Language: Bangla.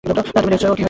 তুমি দেখেছ কী হয়েছে।